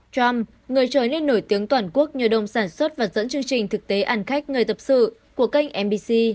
trump người trở nên nổi tiếng toàn quốc nhờ đông sản xuất và dẫn chương trình thực tế ăn khách người tập sự của kênh mbc